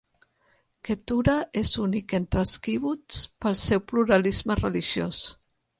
Ketura és únic entre els kibbutz pel seu pluralisme religiós.